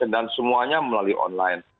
dan semuanya melalui online